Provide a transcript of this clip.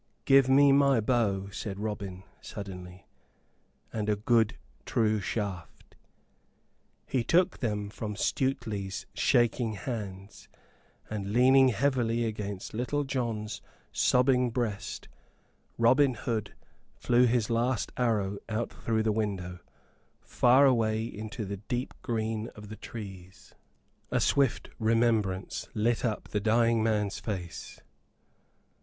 "Give me my bow," said Robin, suddenly, "and a good true shaft." He took them from Stuteley's shaking hands, and, leaning heavily against Little John's sobbing breast, Robin Hood flew his last arrow out through the window, far away into the deep green of the trees. A swift remembrance lit up the dying man's face.